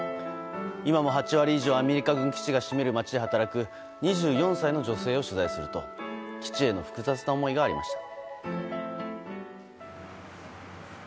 今も８割以上、アメリカ軍基地が占める町で働く２４歳の女性を取材すると基地への複雑な思いがありました。